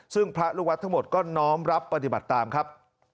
ซึ่งพระลูกวัดทั้งหมดก็น้อมรับปฏิบัติตามครับ